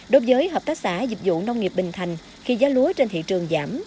đối với hợp tác xã dịch vụ nông nghiệp bình thành khi giá lúa trên thị trường giảm